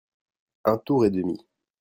Un tour et demi.